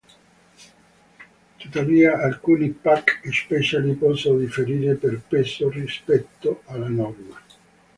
Tuttavia alcuni puck speciali posso differire per peso rispetto alla norma.